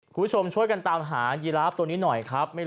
คุณผู้ชมช่วยกันตามหายีราฟตัวนี้หน่อยครับ